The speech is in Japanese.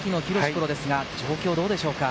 プロですが、状況はどうでしょうか？